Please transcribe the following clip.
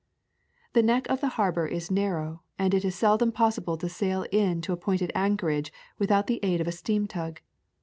The neck of the harbor is narrow and it is seldom possible to sail in to appointed anchor age without the aid of a steam tug.